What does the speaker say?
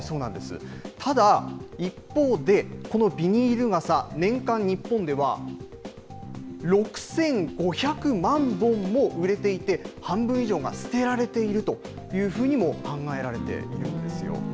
ただ、一方で、このビニール傘、年間、日本では６５００万本も売れていて、半分以上が捨てられているというふうにも考えられているんですよ。